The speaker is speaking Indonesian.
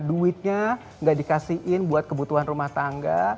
duitnya nggak dikasihin buat kebutuhan rumah tangga